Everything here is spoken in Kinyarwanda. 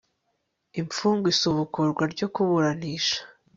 imfungwa, isubukurwa ryo kuburanisha